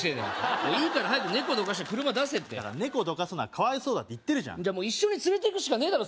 もういいから早く猫どかして車出せってだから猫どかすのはかわいそうだって言ってるじゃんじゃあ一緒に連れていくしかねえだろ